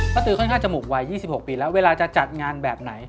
ตือค่อนข้างจมูกวัย๒๖ปีแล้วเวลาจะจัดงานแบบไหน